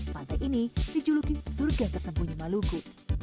pantai ini dijuluki surga tersembunyi maluku